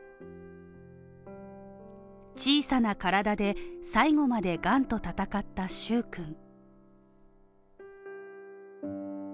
小さな体で、最後までがんと闘った蹴君。